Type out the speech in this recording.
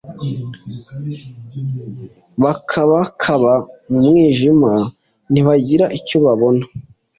bakabakaba mu mwijima ntibagira icyo babona